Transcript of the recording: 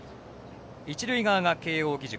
一塁側が慶応義塾。